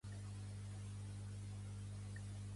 Què se t'hi ha perdut, a Pobla de la Granadella?